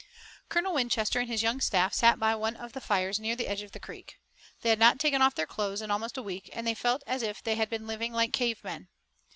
Colonel Winchester and his young staff sat by one of the fires near the edge of the creek. They had not taken off their clothes in almost a week, and they felt as if they had been living like cave men.